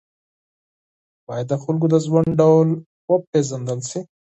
باید د خلکو د ژوند ډول وپېژندل شي.